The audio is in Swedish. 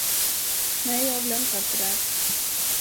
Nej, jag har glömt allt det där.